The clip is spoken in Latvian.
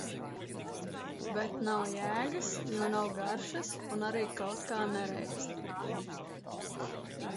Bet nav jēgas, jo nav garšas un arī kaut kā nereibst.